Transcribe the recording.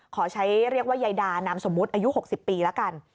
ขอใช้เรียกว่ายายดานามสมมุติอายุ๖๐ปีแล้วกัน